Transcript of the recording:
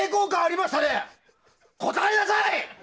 答えなさい！